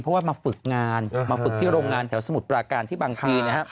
เพราะว่ามาฝึกงานมาฝึกที่โรงงานแถวสมุทรปราการที่บางที